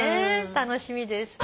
楽しみです。